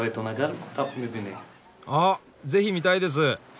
あぜひ見たいです。